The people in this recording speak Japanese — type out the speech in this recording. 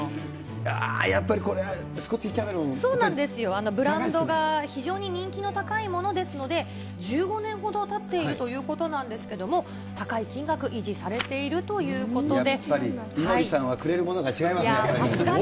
あー、やっぱりこれ、そうなんです、ブランドが非常に人気の高いものですので、１５年ほどたっているということなんですけども、高い金額維持されているということで。